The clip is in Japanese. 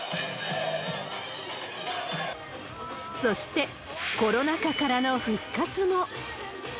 そして、コロナ禍からの復活も。